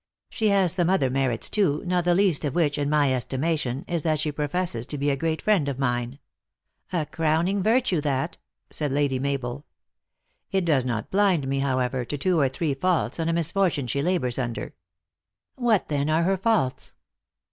She has some other merits too, not the least of which, in my estimation is that she professes to be a great friend of mine." " A crowning virtue, that," said lady Mabel." " It does not blind me, however, to two or three faults, and a misfortune she labors under." 84 THE ACTKESS IN HIGH LIFE. " What then are her faults